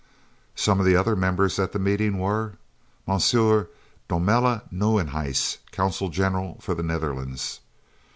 Some of the other members at the meeting were: M. Domela Nieuwenhuis, Consul General for the Netherlands.